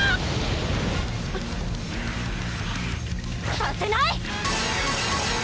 させない！